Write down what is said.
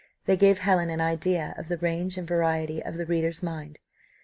They gave Helen an idea of the range and variety of the reader's mind.